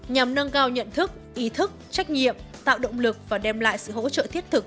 nhằm nâng cao nhận thức ý thức trách nhiệm tạo động lực và đem lại sự hỗ trợ thiết thực